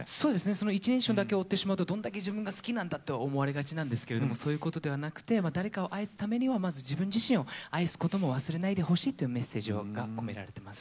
その一人称だけを追ってしまうとどんだけ自分が好きなんだって思われがちなんですけれどもそういうことではなくて誰かを愛すためにはまず自分自身を愛すことも忘れないでほしいというメッセージが込められてます。